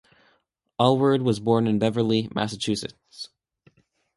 Alward was born in Beverly, Massachusetts.